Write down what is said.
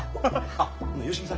あっ芳美さん